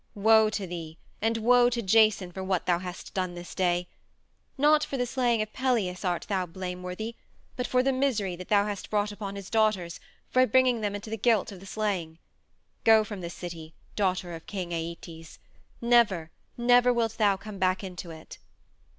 Woe to thee and woe to Jason for what thou hast done this day! Not for the slaying of Pelias art thou blameworthy, but for the misery that thou hast brought upon his daughters by bringing them into the guilt of the slaying. Go from the city, daughter of King Ætes; never, never wilt thou come back into it."